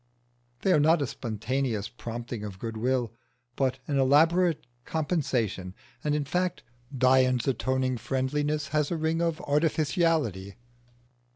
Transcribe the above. They are not a spontaneous prompting of goodwill, but an elaborate compensation. And, in fact, Dion's atoning friendliness has a ring of artificiality.